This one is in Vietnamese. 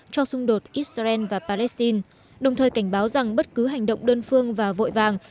cho xung đột israel và palestine đồng thời cảnh báo rằng bất cứ hành động đơn phương và vội vàng